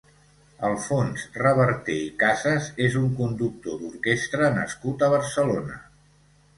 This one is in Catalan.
Alfons Reverté i Casas és un conductor d'orquestre nascut a Barcelona.